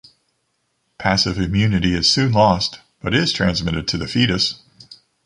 Passive immunity is soon lost, but is transmitted to the fetus.